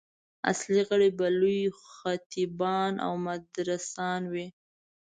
اصلي غړي به لوی خطیبان او مدرسان وي.